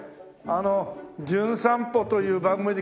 あの『じゅん散歩』という番組で来ました